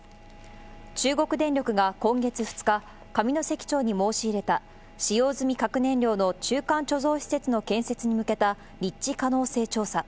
中国電力が今月２日、上関町に申し入れた使用済み核燃料の中間貯蔵施設の建設に向けた立地可能性調査。